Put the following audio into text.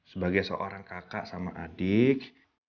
sebagai seorang kakak sama adik